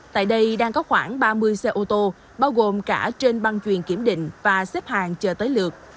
tại đây đang có khoảng ba mươi xe ô tô bao gồm cả trên băng chuyền kiểm định và xếp hàng chờ tới lượt